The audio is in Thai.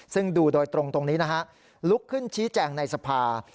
ซึ่งดูโดยตรงตรงนี้นะฮะลุกขึ้นชี้แจงในสภา